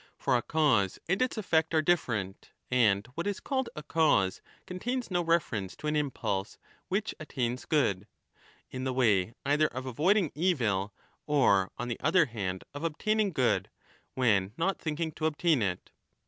For a cause and its effect are different, and what is called a cause contains no reference to an impulse which attains good, in the way either of avoiding 10 evil or on the other hand of obtaining good, when not thinking to obtain it.